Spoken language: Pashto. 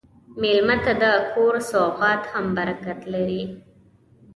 مېلمه ته د کور سوغات هم برکت لري.